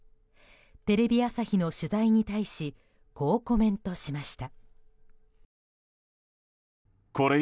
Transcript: テレビ朝日の取材に対しこうコメントしました。